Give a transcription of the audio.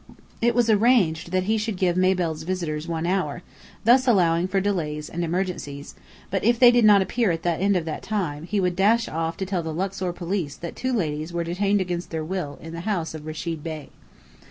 It was arranged that he should give Mabel's visitors one hour, thus allowing for delays and emergencies; but if they did not appear at the end of that time, he would dash off to tell the Luxor police that two ladies were detained against their will in the house of Rechid Bey.